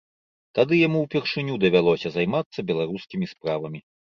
Тады яму ўпершыню давялося займацца беларускімі справамі.